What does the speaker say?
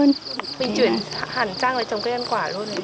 mình chuyển hẳn sang trồng cây ăn quả luôn đấy